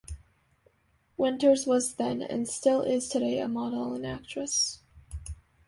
Winters was then, and still is today a model and actress.